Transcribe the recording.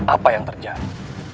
apa yang terjadi